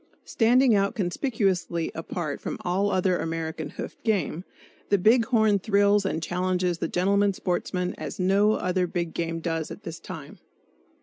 Standing out conspicuously apart from all other American hoofed game, the big horn thrills and challenges the gentleman sportsman as no other big game does at this time.